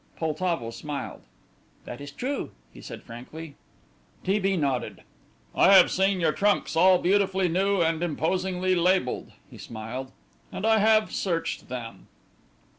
Poltavo smiled. "That is true," he said, frankly. T. B. nodded. "I have seen your trunks all beautifully new, and imposingly labelled," he smiled, "and I have searched them."